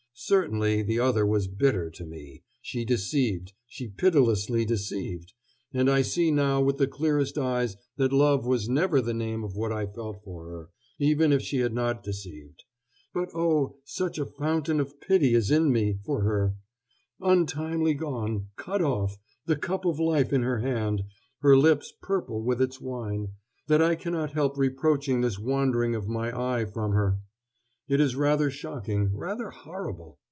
Certainly, the other was bitter to me she deceived, she pitilessly deceived; and I see now with the clearest eyes that love was never the name of what I felt for her, even if she had not deceived. But, oh, such a fountain of pity is in me for her untimely gone, cut off, the cup of life in her hand, her lips purple with its wine that I cannot help reproaching this wandering of my eye from her. It is rather shocking, rather horrible.